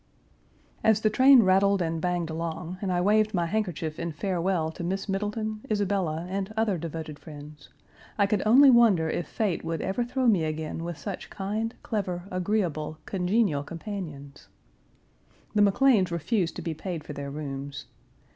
As the train rattled and banged along, and I waved my handkerchief in farewell to Miss Middleton, Isabella, and other devoted friends, I could only wonder if fate would ever throw me again with such kind, clever, agreeable, congenial companions, The McLeans refused to be paid for their rooms.